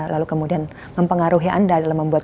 lalu kemudian mempengaruhi anda dalam membuat